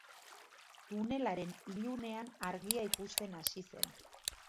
Tunelaren ilunean argia ikusten hasi zen.